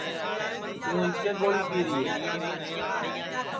توں اِٻکے گوݪی پیری ہے